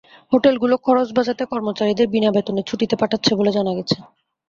হোটেলগুলো খরচ বাঁচাতে কর্মচারীদের বিনা বেতনে ছুটিতে পাঠাচ্ছে বলে জানা গেছে।